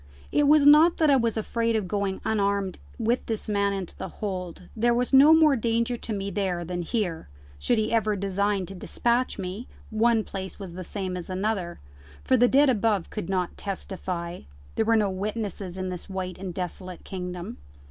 It was not that I was afraid of going unarmed with this man into the hold: there was no more danger to me there than here: should he ever design to despatch me, one place was the same as another, for the dead above could not testify: there were no witnesses in this white and desolate kingdom.